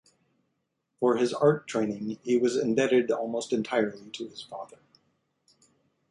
For his art training he was indebted almost entirely to his father.